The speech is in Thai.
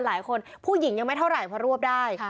ผู้หญิงยังไม่เท่าไหร่เพราะรวบได้